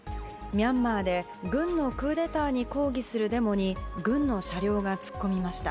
ミャンマーで軍のクーデターに抗議するデモに軍の車両が突っ込みました。